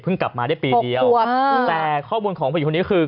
กลับมาได้ปีเดียวแต่ข้อมูลของผู้หญิงคนนี้คือ